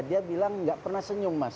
dia bilang nggak pernah senyum mas